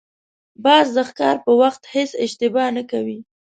باز د ښکار په وخت هېڅ اشتباه نه کوي